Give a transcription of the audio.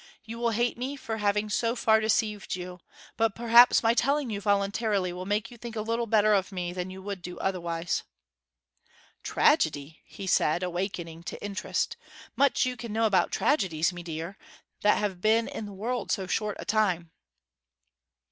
You will hate me for having so far deceived you; but perhaps my telling you voluntarily will make you think a little better of me than you would do otherwise.' 'Tragedy?' he said, awakening to interest. 'Much you can know about tragedies, mee deer, that have been in the world so short a time!'